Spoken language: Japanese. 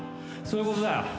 そういうことだよ。